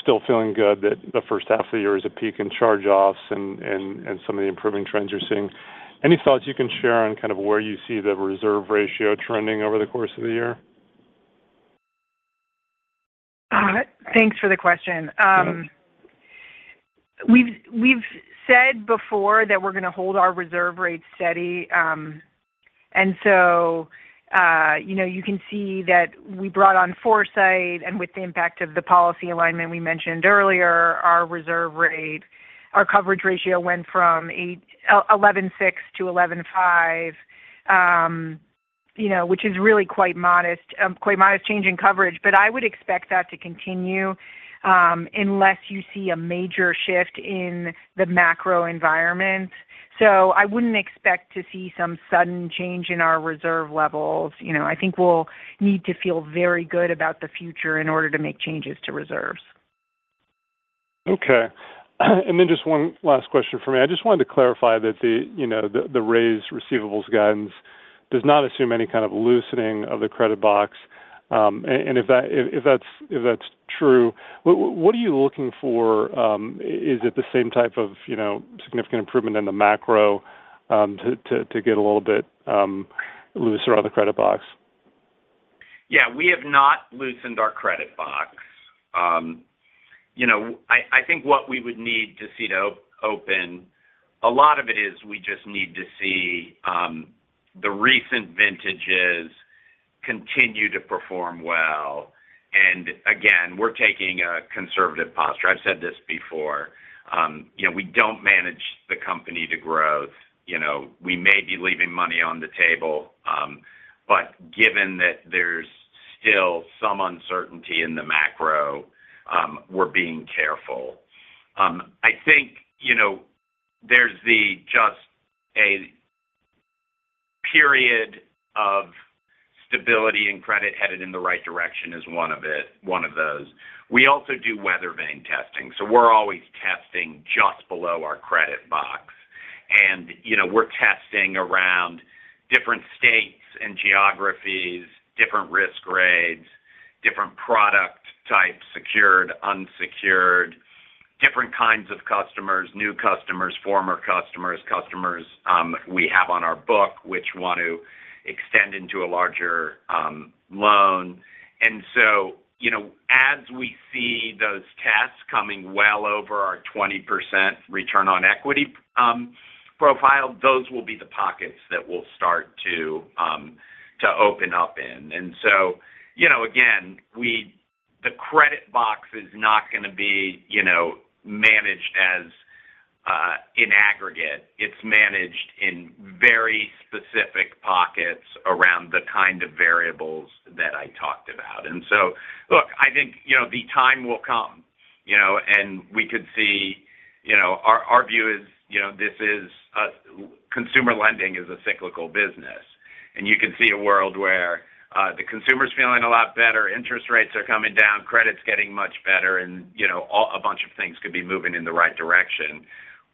still feeling good that the first half of the year is a peak in charge-offs and some of the improving trends you're seeing, any thoughts you can share on kind of where you see the reserve ratio trending over the course of the year? Thanks for the question. We've said before that we're going to hold our reserve rate steady. And so you can see that we brought on Foursight, and with the impact of the policy alignment we mentioned earlier, our coverage ratio went from 11.6 to 11.5, which is really quite modest change in coverage. But I would expect that to continue unless you see a major shift in the macro environment. So I wouldn't expect to see some sudden change in our reserve levels. I think we'll need to feel very good about the future in order to make changes to reserves. Okay. And then just one last question for me. I just wanted to clarify that the raise receivables guidance does not assume any kind of loosening of the credit box. And if that's true, what are you looking for? Is it the same type of significant improvement in the macro to get a little bit looser on the credit box? Yeah. We have not loosened our credit box. I think what we would need to see to open a lot of it is we just need to see the recent vintages continue to perform well. And again, we're taking a conservative posture. I've said this before. We don't manage the company to growth. We may be leaving money on the table, but given that there's still some uncertainty in the macro, we're being careful. I think there's just a period of stability, and credit headed in the right direction is one of those. We also do Weathervane testing. So we're always testing just below our credit box. We're testing around different states and geographies, different risk grades, different product types, secured, unsecured, different kinds of customers, new customers, former customers, customers we have on our book which want to extend into a larger loan. So as we see those tests coming well over our 20% return on equity profile, those will be the pockets that we'll start to open up in. So again, the credit box is not going to be managed as in aggregate. It's managed in very specific pockets around the kind of variables that I talked about. And so look, I think the time will come, and we could see our view is this is consumer lending is a cyclical business. And you can see a world where the consumer's feeling a lot better, interest rates are coming down, credit's getting much better, and a bunch of things could be moving in the right direction.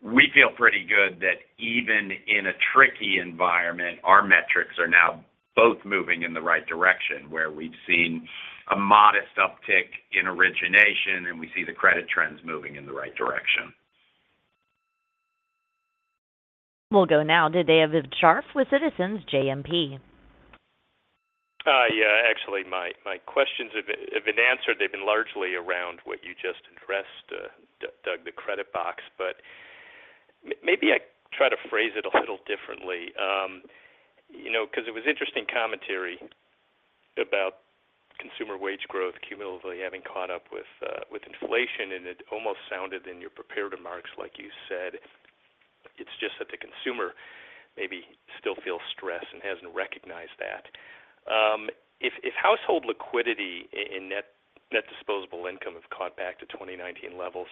We feel pretty good that even in a tricky environment, our metrics are now both moving in the right direction where we've seen a modest uptick in origination, and we see the credit trends moving in the right direction. We'll go now to David Scharf with Citizens JMP. Yeah. Actually, my questions have been answered. They've been largely around what you just addressed, Doug, the credit box. But maybe I try to phrase it a little differently because it was interesting commentary about consumer wage growth cumulatively having caught up with inflation, and it almost sounded in your prepared remarks, like you said, it's just that the consumer maybe still feels stress and hasn't recognized that. If household liquidity and net disposable income have caught back to 2019 levels,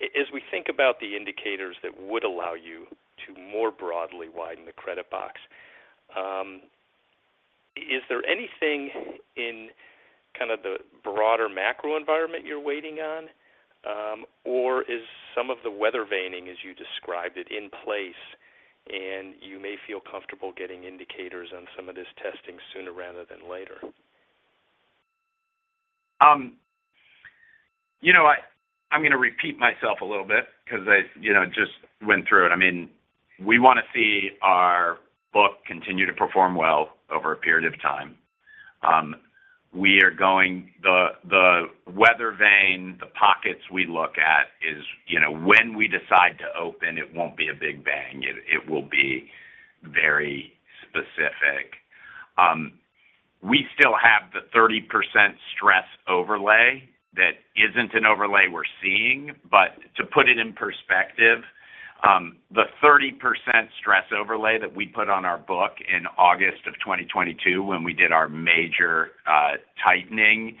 as we think about the indicators that would allow you to more broadly widen the credit box, is there anything in kind of the broader macro environment you're waiting on, or is some of the weather vane testing, as you described it, in place, and you may feel comfortable getting indicators on some of this testing sooner rather than later? I'm going to repeat myself a little bit because I just went through it. I mean, we want to see our book continue to perform well over a period of time. The weather vane, the pockets we look at is when we decide to open, it won't be a big bang. It will be very specific. We still have the 30% stress overlay that isn't an overlay we're seeing. But to put it in perspective, the 30% stress overlay that we put on our book in August of 2022 when we did our major tightening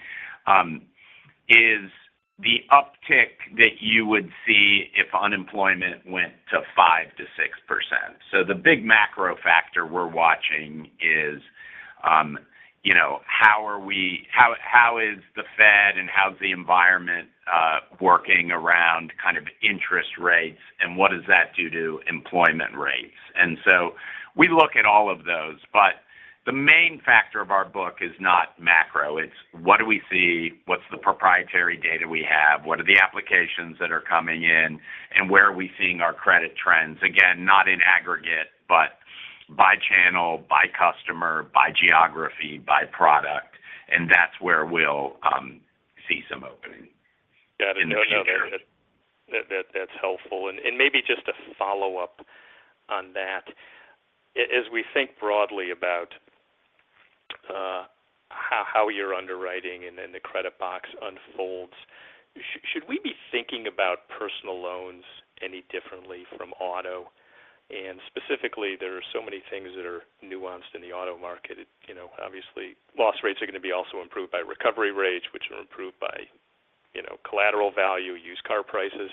is the uptick that you would see if unemployment went to 5%-6%. So the big macro factor we're watching is how is the Fed and how's the environment working around kind of interest rates, and what does that do to employment rates? And so we look at all of those. But the main factor of our book is not macro. It's what do we see? What's the proprietary data we have? What are the applications that are coming in? And where are we seeing our credit trends? Again, not in aggregate, but by channel, by customer, by geography, by product. And that's where we'll see some opening. Got it. No, no. That's helpful. And maybe just a follow-up on that. As we think broadly about how your underwriting and the credit box unfolds, should we be thinking about personal loans any differently from auto? And specifically, there are so many things that are nuanced in the auto market. Obviously, loss rates are going to be also improved by recovery rates, which are improved by collateral value, used car prices.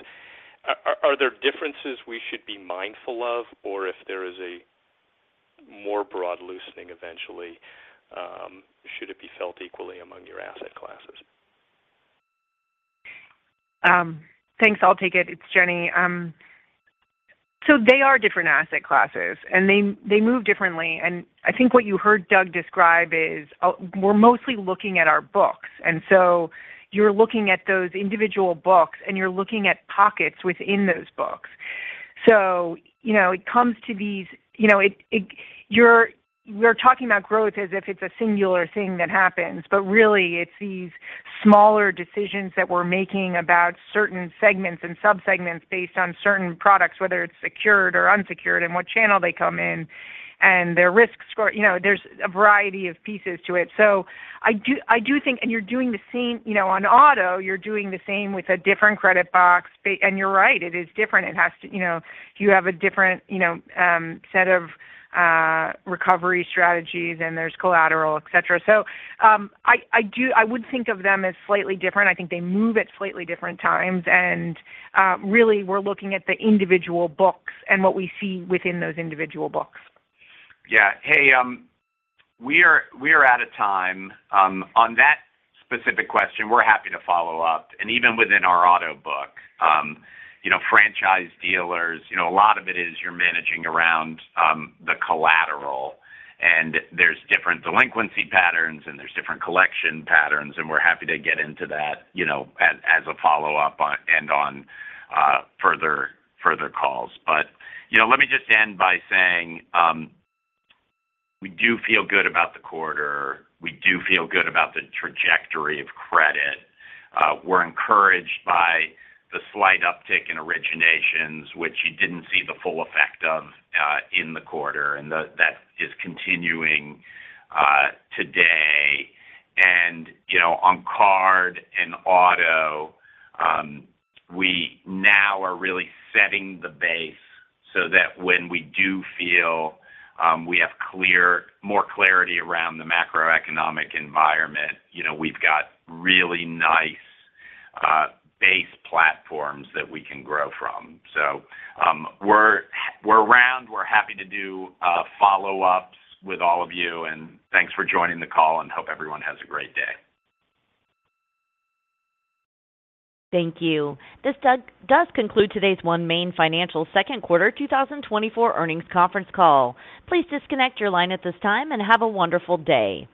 Are there differences we should be mindful of? Or if there is a more broad loosening eventually, should it be felt equally among your asset classes? Thanks. I'll take it. It's Jenny. So they are different asset classes, and they move differently. And I think what you heard Doug describe is we're mostly looking at our books. And so you're looking at those individual books, and you're looking at pockets within those books. So it comes to these we're talking about growth as if it's a singular thing that happens, but really, it's these smaller decisions that we're making about certain segments and subsegments based on certain products, whether it's secured or unsecured, and what channel they come in, and their risk score. There's a variety of pieces to it. So I do think, and you're doing the same on auto, you're doing the same with a different credit box. And you're right. It is different. It has to. You have a different set of recovery strategies, and there's collateral, etc. So I would think of them as slightly different. I think they move at slightly different times. Really, we're looking at the individual books and what we see within those individual books. Yeah. Hey, we are at a time on that specific question. We're happy to follow up. Even within our auto book, franchise dealers, a lot of it is you're managing around the collateral. There's different delinquency patterns, and there's different collection patterns. We're happy to get into that as a follow-up and on further calls. But let me just end by saying we do feel good about the quarter. We do feel good about the trajectory of credit. We're encouraged by the slight uptick in originations, which you didn't see the full effect of in the quarter. That is continuing today. And on card and auto, we now are really setting the base so that when we do feel we have more clarity around the macroeconomic environment, we've got really nice base platforms that we can grow from. So we're around. We're happy to do follow-ups with all of you. And thanks for joining the call, and hope everyone has a great day. Thank you. This does conclude today's OneMain Financial Second Quarter 2024 earnings conference call. Please disconnect your line at this time and have a wonderful day.